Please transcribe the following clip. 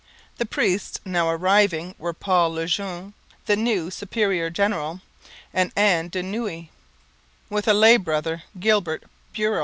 The priests now arriving were Paul Le Jeune, the new superior general, and Anne de Noue, with a lay brother, Gilbert Burel.